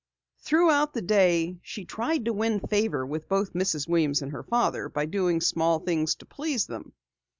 Throughout the day she tried to win favor with both Mrs. Weems and her father by doing small things to please them.